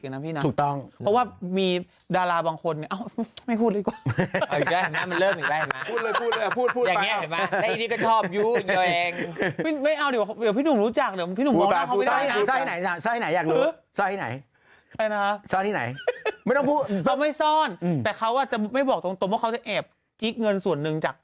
ฮะตรงเนี้ยมันโหดมากจริง